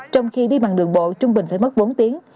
trong khi đi bằng đường bộ trung bình phải mất bốn tiếng